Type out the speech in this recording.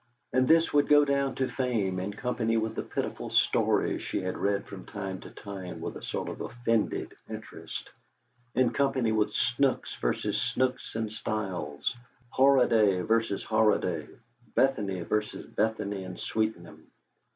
And this would go down to fame in company with the pitiful stories she had read from time to time with a sort of offended interest; in company with "Snooks v. Snooks and Stiles," "Horaday v. Horaday," "Bethany v. Bethany and Sweetenham."